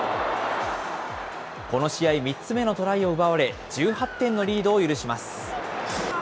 この試合、３つ目のトライを奪われ、１８点のリードを許します。